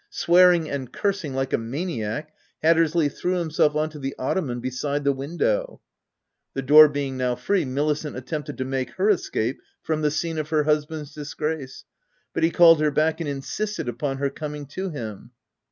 Swearing and cursing like a maniac, Hattersley threw himself on to the ottoman beside the window. The door being now free, Milicent attempted to make her escape from the scene of her husband's disgrace ; but he called her back, and insisted upon her coming to him.